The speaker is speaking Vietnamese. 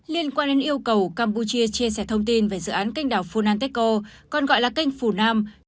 liên quan đến yêu cầu campuchia chia sẻ thông tin về dự án kênh đảo funanteko còn gọi là kênh phù nam